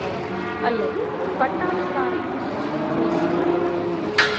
அல்லது பட்டாளத்தாரைப்போல் யுத்தம் செய்துவந்தனர்.